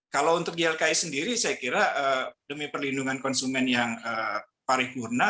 kalau untuk ylki sendiri saya kira demi perlindungan konsumen yang paripurna